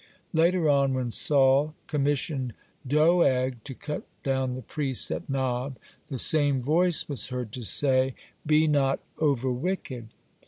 Later on, when Saul commissioned Doeg to cut down the priests at Nob, the same voice was heard to say, "Be not overwicked."